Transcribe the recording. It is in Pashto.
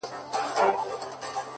o د سر په سترگو چي هغه وينمه،